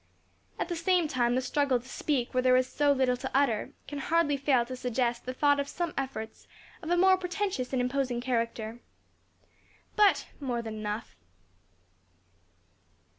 At the same time, the struggle to speak where there is so little to utter can hardly fail to suggest the thought of some efforts of a more pretentious and imposing character. But more than enough!